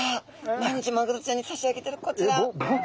毎日マグロちゃんに差し上げてるこちら。